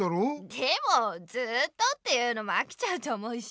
でもずっとっていうのもあきちゃうと思うし。